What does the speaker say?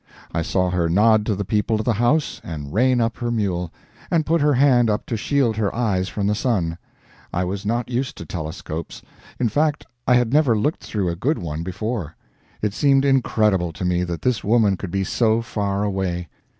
I saw her nod to the people of the house, and rein up her mule, and put her hand up to shield her eyes from the sun. I was not used to telescopes; in fact, I had never looked through a good one before; it seemed incredible to me that this woman could be so far away.